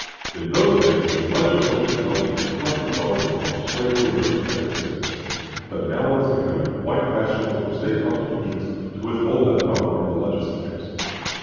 In those days, legislatures held the unquestioned power to abolish slavery in their respective States; but now it is becoming quite fashionable for State constitutions to withhold that power from the legislatures.